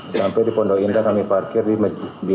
sampai di pondowinda kami parkir di